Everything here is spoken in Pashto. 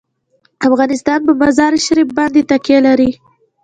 افغانستان په مزارشریف باندې تکیه لري.